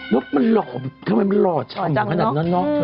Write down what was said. ลูกมันหล่อทำไมมันหล่อช่างหลังขนาดน้อน